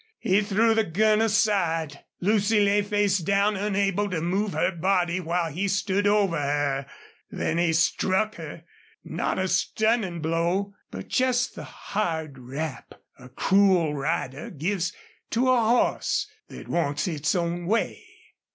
He threw the gun aside. Lucy lay face down, unable to move her body while he stood over her. Then he struck her, not a stunning blow, but just the hard rap a cruel rider gives to a horse that wants its own way.